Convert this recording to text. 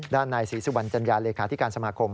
ด้านใน๔๐วันจัญญาเลขาธิการสมาคม